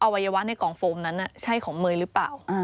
วัยวะในกองโฟมนั้นใช่ของเมย์หรือเปล่า